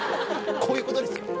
こういうことですよ。